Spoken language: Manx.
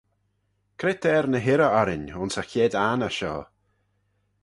Cre t'er ny hirrey orrin ayns y chied anney shoh?